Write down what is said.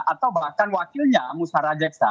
atau bahkan wakilnya musara jeksa